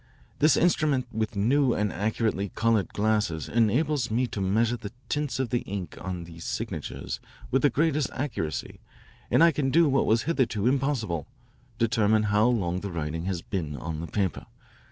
This instrument with new and accurately coloured glasses enables me to measure the tints of the ink of these signatures with the greatest accuracy and I can do what was hitherto impossible =20 determine how long the writing has been on the paper.